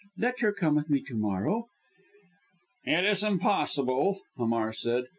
Let her come with me to morrow." "It is impossible," Hamar said.